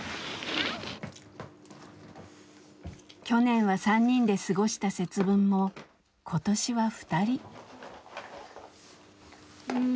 去年は３人で過ごした節分も今年はふたり。